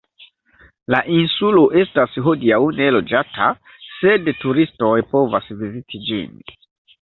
La insulo estas hodiaŭ neloĝata, sed turistoj povas viziti ĝin.